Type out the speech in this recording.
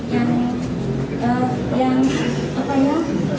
yang yang apa ya